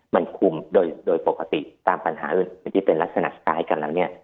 มันคุมโดยปกติตามปัญหาอื่นที่เป็นลักษณะคล้ายกันแล้วเนี่ย